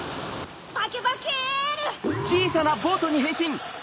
バケバケル！